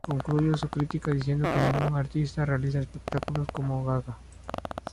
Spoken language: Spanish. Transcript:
Concluyó su crítica diciendo que ningún artista realiza espectáculos como Gaga.